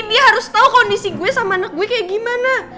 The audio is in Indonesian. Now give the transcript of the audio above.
dia harus tahu kondisi gue sama anak gue kayak gimana